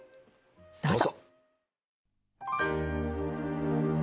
どうぞ。